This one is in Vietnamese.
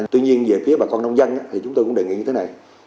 tuy nhiên về phía bà con nông dân thì chúng tôi cũng đề nghị như thế này